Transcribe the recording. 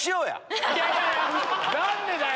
何でだよ！